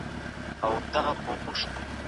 د فلسفې زده کړه ذهن روښانه کوي.